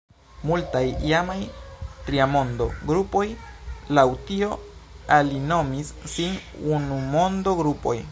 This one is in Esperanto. Multaj iamaj “Triamondo-grupoj” laŭ tio alinomis sin “Unumondo-grupoj”.